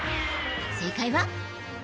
正解は。